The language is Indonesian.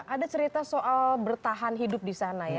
ada cerita soal bertahan hidup di sana ya